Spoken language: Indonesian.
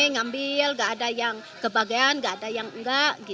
ngambil enggak ada yang kebagian enggak ada yang enggak